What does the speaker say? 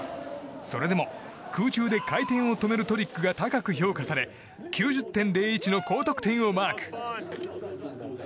それでも、空中で回転を止めるトリックが高く評価され９０．０１の高得点をマーク。